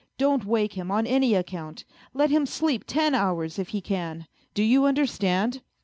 Don't wake him on any account ! Let him sleep ten hours, if he can. Do you understand